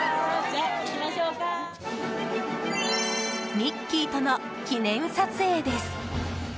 ミッキーとの記念撮影です。